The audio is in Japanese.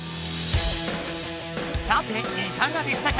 さていかがでしたか？